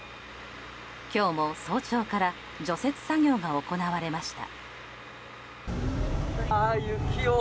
今日も早朝から除雪作業が行われました。